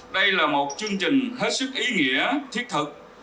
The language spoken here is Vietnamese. đây là một chương trình hết sức ý nghĩa thiết thực